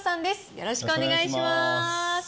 よろしくお願いします。